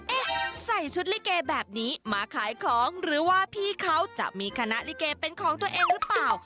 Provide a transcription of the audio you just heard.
เอ๊ะใส่ชุดลิเกแบบนี้มาขายของหรือว่าพี่เขาจะมีคณะลิเกเป็นของตัวเองหรือเปล่า